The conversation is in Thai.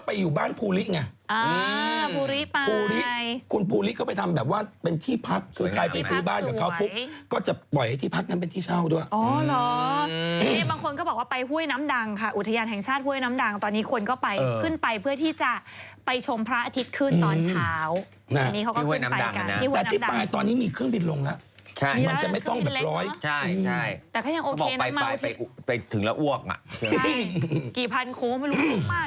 ไปอยู่บ้านภูริไงอ่าภูริปายภูริคุณภูริก็ไปทำแบบว่าเป็นที่พักคือถ้าไปซื้อบ้านกับเขาก็จะปล่อยให้ที่พักนั้นเป็นที่เช่าด้วยอ๋อเหรอบางคนก็บอกว่าไปห้วยน้ำดังค่ะอุทยานแห่งชาติห้วยน้ำดังตอนนี้คนก็ไปเออขึ้นไปเพื่อที่จะไปชมพระอาทิตย์ขึ้นตอนเช้านี่เขาก็ข